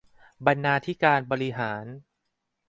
บรรณาธิการบริหาร